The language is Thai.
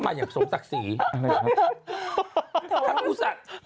อ้าว